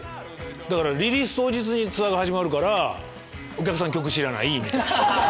だからリリース当日にツアーが始まるからお客さん曲知らない。